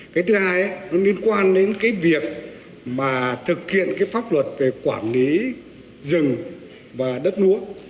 cái thứ hai nó liên quan đến cái việc mà thực hiện cái pháp luật về quản lý rừng và đất núa